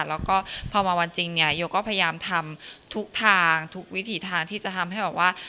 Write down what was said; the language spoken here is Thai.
แล้วก็พอมาวันจริงเนี่ยโยก็พยายามทำทุกทางทุกวิถีทางที่จะทำให้แบบว่า